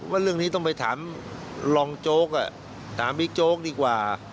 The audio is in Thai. ว่าเรื่องนี้ต้องไปถามรองโจ๊กถามบิ๊กโจ๊กดีกว่า